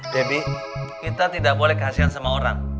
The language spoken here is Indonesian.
debbie kita tidak boleh kasihan sama orang